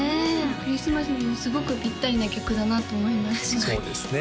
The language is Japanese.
クリスマスにもすごくピッタリな曲だなと思いましたそうですね